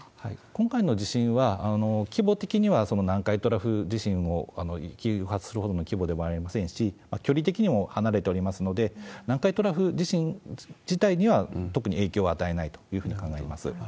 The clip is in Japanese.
今回の地震は、規模的には南海トラフ地震を誘発するほどの規模でもありませんし、距離的にも離れておりますので、南海トラフ地震自体には特に影響は与えないというふうに考えます。